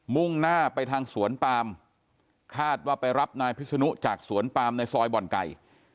มุ่งหน้าไปทางสวนปามคาดว่าไปรับนายพิศนุจากสวนปามในซอยบ่อนไก่